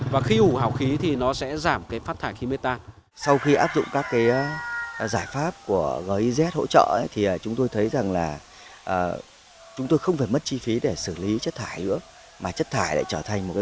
và khi ủ hào khí thì nó sẽ giảm phát thải khí mê tan